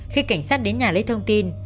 khi cảnh sát đến nhà lấy thông tin